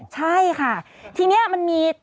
ใช่ค่ะทีนี้มันมี